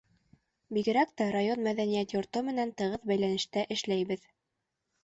— Бигерәк тә район мәҙәниәт йорто менән тығыҙ бәйләнештә эшләйбеҙ.